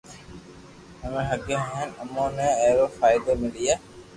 آوي ھگي ھين امو ني اي رو فائدو ملئي